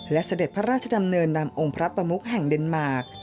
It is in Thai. และเสด็จพระราชดำเนินนำองค์พระประมุกแห่งเดนมาร์ค